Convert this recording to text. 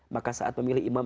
maka saat memilih imam